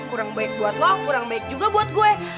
kurang baik buat lo kurang baik juga buat gue